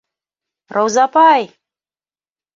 Рауза апай!